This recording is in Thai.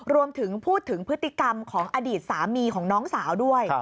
รวมถึงพูดถึงพฤติกรรมของอดีตสามีของน้องสาวด้วย